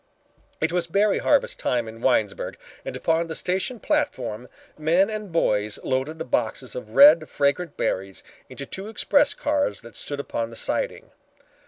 It was berry harvest time in Winesburg and upon the station platform men and boys loaded the boxes of red, fragrant berries into two express cars that stood upon the siding.